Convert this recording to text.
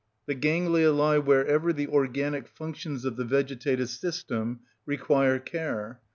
The ganglia lie wherever the organic functions of the vegetative system require care.